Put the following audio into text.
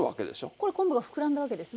これ昆布が膨らんだわけですね